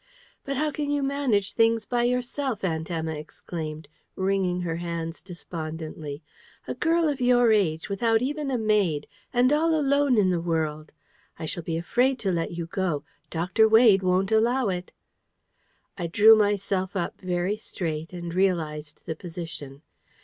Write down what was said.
"But how can you manage things by yourself?" Aunt Emma exclaimed, wringing her hands despondently. "A girl of your age! without even a maid! and all alone in the world! I shall be afraid to let you go. Dr. Wade won't allow it." I drew myself up very straight, and realised the position.